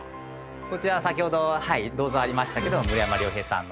こちら先ほど銅像ありましたけど村山龍平さんの。